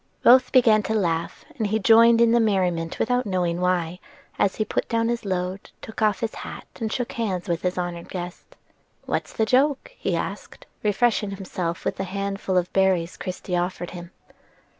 Both began to laugh, and he joined in the merriment without knowing why, as he put down his load, took off his hat, and shook hands with his honored guest. "What's the joke?" he asked, refreshing himself with the handful of berries Christie offered him.